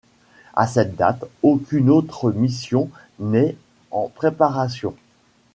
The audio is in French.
À cette date, aucune autre mission n'est en préparation.